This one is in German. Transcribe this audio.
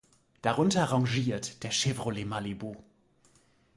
Darunter rangiert der Chevrolet Malibu.